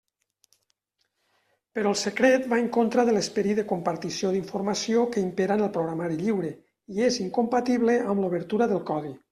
Però el secret va en contra de l'esperit de compartició d'informació que impera en el programari lliure, i és incompatible amb l'obertura del codi.